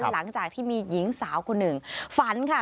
หลังจากที่มีหญิงสาวคนหนึ่งฝันค่ะ